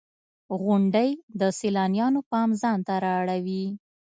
• غونډۍ د سیلانیانو پام ځان ته را اړوي.